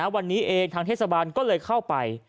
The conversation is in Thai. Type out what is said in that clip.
วันนี้เองทางเทศบาลก็เลยเข้าไป